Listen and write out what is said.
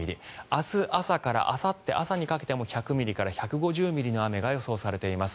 明日朝からあさって朝にかけても１００ミリから１５０ミリの雨が予想されています。